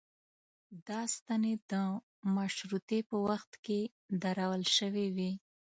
دا ستنې د مشروطې په وخت کې درول شوې وې.